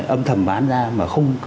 âm thầm bán ra mà không công báo